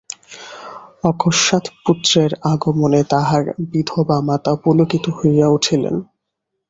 অকস্মাৎ পুত্রের আগমনে তাহার বিধবা মাতা পুলকিত হইয়া উঠিলেন।